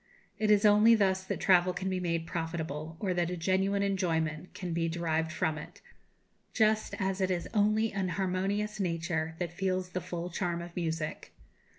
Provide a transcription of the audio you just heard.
It is only thus that travel can be made profitable, or that a genuine enjoyment can be derived from it; just as it is only an harmonious nature that feels the full charm of music.